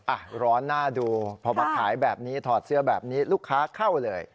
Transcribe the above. อ่ะร้อนหน้าดูพอมาขายแบบนี้ถอดเสื้อแบบนี้ลูกค้าเข้าเลย